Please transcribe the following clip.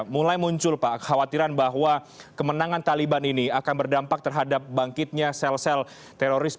mulai muncul pak kekhawatiran bahwa kemenangan taliban ini akan berdampak terhadap bangkitnya sel sel teroris